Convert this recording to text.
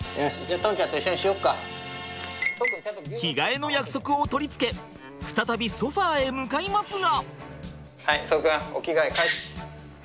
着替えの約束を取り付け再びソファーへ向かいますが。